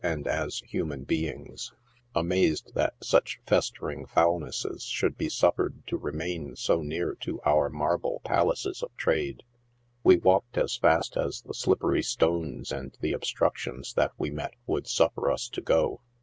nd as human beings — amazed that such festering foulnesses should be suffered to remain so near to our marble palaces of trade. We walked as fast as the slippery stones and the obstructions that we met would suffer us to go.